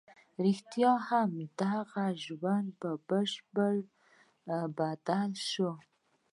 رښتيا هم د هغه ژوند بشپړ بدل شوی و.